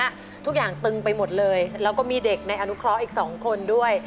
ทุกอย่างตึงไปหมดเลยแล้วก็มีเด็กในอนุเคราะห์อีกสองคนด้วย